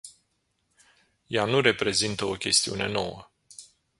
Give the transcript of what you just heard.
Ea nu reprezintă o chestiune nouă.